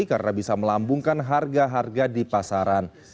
karena bisa melambungkan harga harga di pasaran